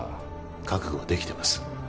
覚悟はできてます。